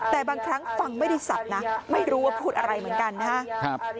แต่บางครั้งฟังไม่ได้สับนะไม่รู้ว่าพูดอะไรเหมือนกันนะครับ